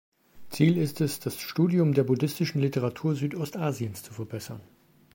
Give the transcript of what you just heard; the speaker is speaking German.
Ziel ist es, das Studium der buddhistischen Literatur Südostasiens zu verbessern.